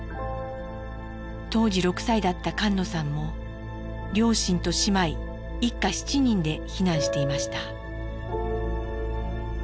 当時６歳だった菅野さんも両親と姉妹一家７人で避難していました。